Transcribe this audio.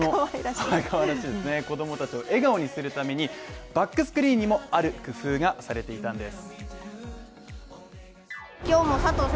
子供たちを笑顔にするためにバックスクリーンにも、ある工夫がされていたんです。